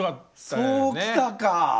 そうきたか。